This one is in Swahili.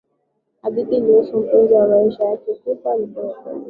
hadithi ilihusu mpenzi wa maisha yake kufa kwa hypothermia